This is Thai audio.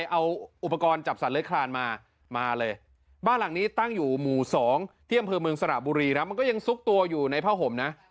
เอาอุปกรณ์จับสัตว์เลื้อยคลานมามาเลยบ้านหลังนี้ตั้งอยู่หมู่๒ที่อำเภอเมืองสระบุรีครับมันก็ยังซุกตัวอยู่ในผ้าห่มนะ